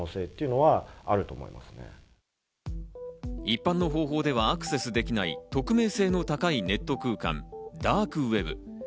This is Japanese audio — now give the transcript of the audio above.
一般の方法ではアクセスできない匿名性の高いネット空間、ダークウェブ。